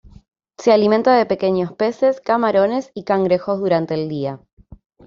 Se alimenta de pequeños peces, camarones y cangrejos durante el día.